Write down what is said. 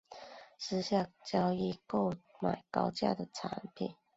私下交易购买高阶商品